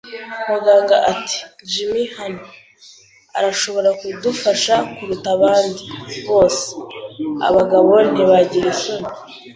Muganga ati: “Jim hano, arashobora kudufasha kuruta abandi bose. Abagabo ntibagira isoni